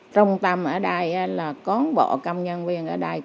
trung tâm ở đây là cán bộ công nhân viên ở đây